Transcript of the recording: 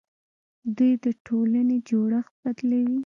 دوی د ټولنې جوړښت بدلوي.